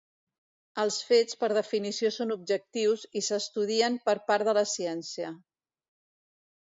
Els fets per definició són objectius i s'estudien per part de la ciència.